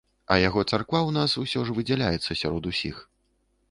А яго царква ў нас усё ж выдзяляецца сярод усіх.